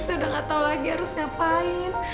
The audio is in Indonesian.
saya udah gak tau lagi harus ngapain